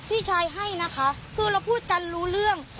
พี่ชายให้นะคะคือเราพูดกันรู้เรื่อง